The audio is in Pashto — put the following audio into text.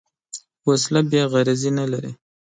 وسله بېغرضي نه لري